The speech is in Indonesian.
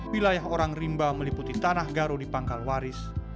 wilayah orang rimba meliputi tanah garo di pangkal waris